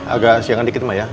agak siangan dikit mbak ya